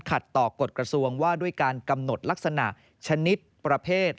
ต่อกฎกระทรวงว่าด้วยการกำหนดลักษณะชนิดประเภท